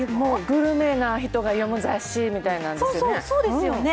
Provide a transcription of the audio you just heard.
グルメな人が読む雑誌みたいなんですよね。